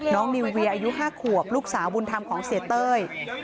นิวเวียอายุ๕ขวบลูกสาวบุญธรรมของเสียเต้ย